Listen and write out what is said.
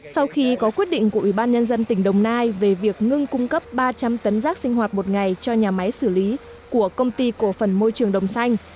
sau khi có quyết định của ủy ban nhân dân tỉnh đồng nai về việc ngưng cung cấp ba trăm linh tấn rác sinh hoạt một ngày cho nhà máy xử lý của công ty cổ phần môi trường đồng xanh